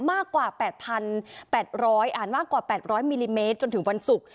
มากกว่า๘๐๐มิลลิเมตรจนถึงวันศุกร์